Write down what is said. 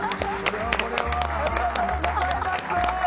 ありがとうございます！